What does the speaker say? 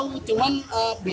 sudah tau ada jumlah korban